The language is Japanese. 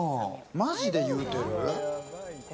まじで言うてる？